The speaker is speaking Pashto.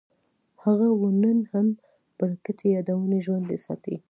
هغه ونه نن هم برکتي یادونه ژوندي ساتي.